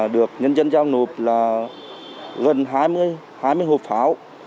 được nhân dân giao nộp là gần hai mươi hộp pháo